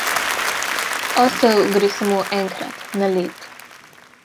Osel gre samo enkrat na led.